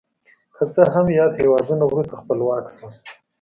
که څه هم یاد هېوادونه وروسته خپلواک شول.